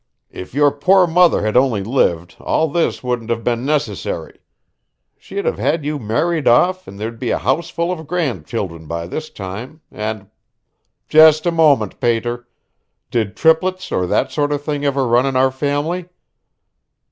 If your poor mother had only lived all this wouldn't have been necessary. She'd have had you married off and there'd be a houseful of grand children by this time, and" "Just a moment, pater did triplets or that sort of thing ever run in our family?"